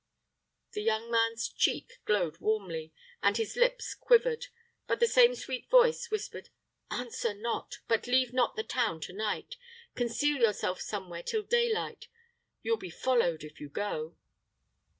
The young man's cheek glowed warmly, and his lips quivered; but the same sweet voice whispered, "Answer not. But leave not the town to night. Conceal yourself somewhere till daylight. You will be followed if you go."